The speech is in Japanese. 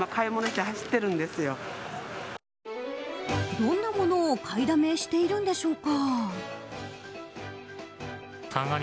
どんなものを買いだめしているんでしょうか。